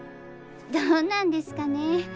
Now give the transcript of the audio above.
どうなんですかね。